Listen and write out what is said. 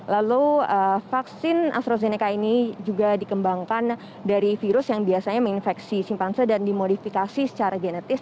lalu vaksin astrazeneca ini juga dikembangkan dari virus yang biasanya menginfeksi simpanse dan dimodifikasi secara genetis